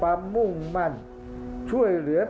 ภาคอีสานแห้งแรง